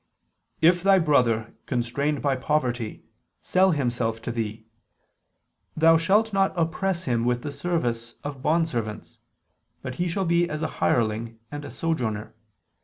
"If thy brother, constrained by poverty, sell himself to thee, thou shalt not oppress him with the service of bondservants: but he shall be as a hireling and a sojourner